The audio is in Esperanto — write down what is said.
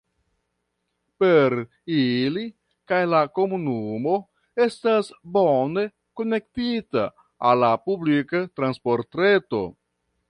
Per ili kaj la komunumo estas bone konektita al la publika transportreto.